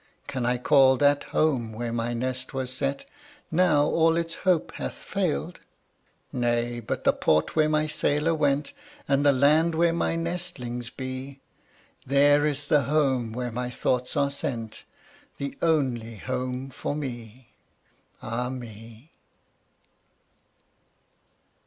Can I call that home where my nest was set, Now all its hope hath failed? Nay, but the port where my sailor went, And the land where my nestlings be: There is the home where my thoughts are sent, The only home for me Ah me!